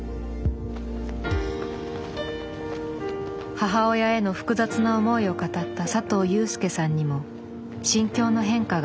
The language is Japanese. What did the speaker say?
母親への複雑な思いを語った佐藤佑助さんにも心境の変化があった。